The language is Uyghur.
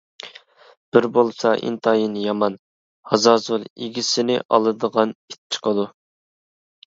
بىر بولسا ئىنتايىن يامان، ھازازۇل، ئىگىسىنى ئالىدىغان ئىت چىقىدۇ.